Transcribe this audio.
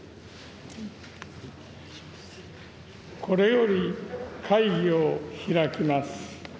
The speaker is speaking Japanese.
これより会を開きます。